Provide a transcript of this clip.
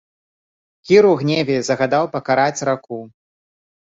Кір у гневе загадаў пакараць раку.